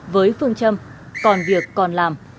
với phương châm còn việc còn làm